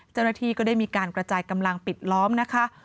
เจ้าหน้าที่ก็ได้มีการกระจายกำลังปิดล้อมนะคะ